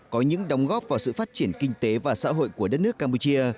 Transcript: có những đóng góp vào sự phát triển kinh tế và xã hội của đất nước campuchia